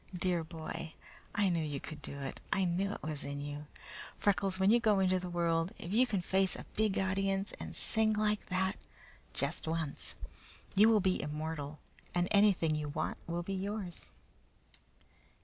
"Dear boy! I knew you could do it! I knew it was in you! Freckles, when you go into the world, if you can face a big audience and sing like that, just once, you will be immortal, and anything you want will be yours."